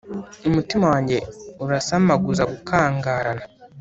Umutima wanjye urasamaguza gukangarana